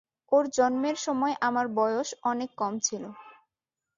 ওর জন্মের সময় আমার বয়স অনেক কম ছিল।